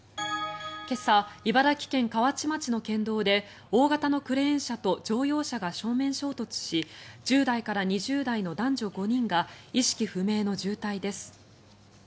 今朝、茨城県河内町の県道で大型のクレーン車と乗用車が正面衝突し１０代から２０代の男女５人が意識不明の重体です。